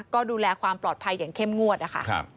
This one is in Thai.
ก็ดูแลความปลอดภัยอย่างเข้มงวดนะคะ